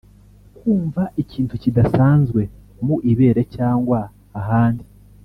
kumva ikintu kidasanzwe mu ibere cyangwa ahandi